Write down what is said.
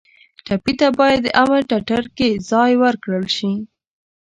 ټپي ته باید د امن ټټر کې ځای ورکړل شي.